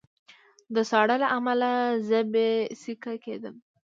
د ساړه له امله زه بې سېکه کېدم